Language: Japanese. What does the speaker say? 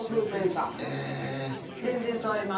全然変わります。